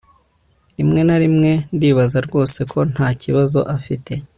rimwe na rimwe ndibaza rwose ko ntakibazo afite